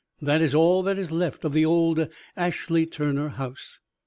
That is all that is left of the old Ashley Turner house."